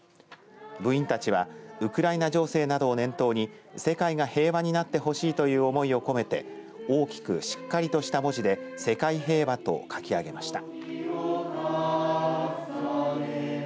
部員たちはウクライナ情勢などを念頭に愛が平和になってほしいという思いを込めて大きく、しっかりとした文字で世界平和と書き上げました。